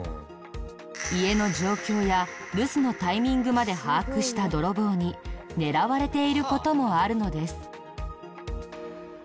家の状況や留守のタイミングまで把握した泥棒に狙われている事もあるのです。